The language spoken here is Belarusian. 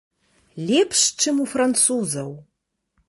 Лепш, чым у французаў.